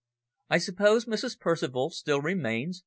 "I suppose Mrs. Percival still remains?"